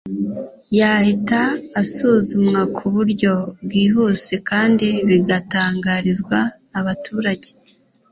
yahita asuzumwa ku buryo bwihuse kandi bigatangarizwa abaturage